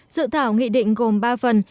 dự thảo nghị định gồm ba phần